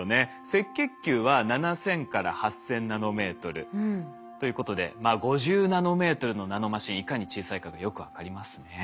赤血球は７，０００８，０００ナノメートルということで５０ナノメートルのナノマシンいかに小さいかがよく分かりますね。